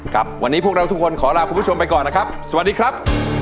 ครับวันนี้พวกเราทุกคนขอลาคุณผู้ชมไปก่อนนะครับสวัสดีครับ